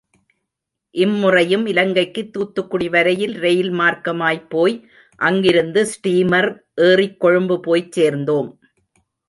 இம் முறையும் இலங்கைக்கு தூத்துக்குடி வரையில் ரெயில் மார்க்கமாய்ப் போய், அங்கிருந்து ஸ்டீமர் ஏறிக் கொழும்பு போய்ச் சேர்ந்தோம்.